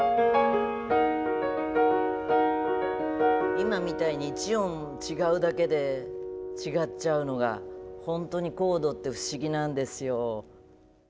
今みたいに一音違うだけで違っちゃうのがほんとにコードって不思議なんですよ。